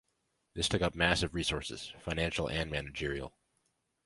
This took up massive resources - financial and managerial.